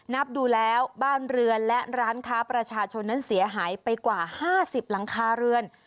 นับดูแล้วบ้านเรือนและร้านค้าประชาชนนั้นเสียหายไปกว่า๕๐หลังคาเรือน